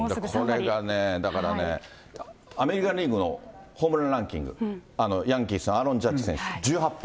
これがね、だからね、アメリカンリーグのホームランランキング、ヤンキース、アーロン・ジャッジ選手１８本。